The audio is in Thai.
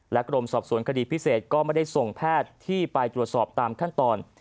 กรมสอบสวนคดีพิเศษก็ไม่ได้ส่งแพทย์ที่ไปตรวจสอบตามขั้นตอน